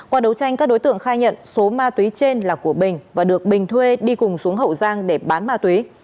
qua đấu tranh các đối tượng khai nhận số ma túy trên là của bình và được bình thuê đi cùng xuống hậu giang để bán ma túy